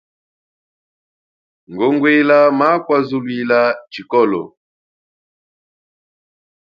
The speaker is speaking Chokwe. Ngongwela makwazuluila tshikolo.